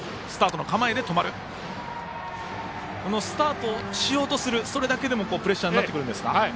スタートしようとするそれだけでもプレッシャーになってくるんですか。